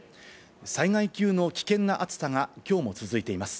災害級の危険な暑さが、きょうも続いています。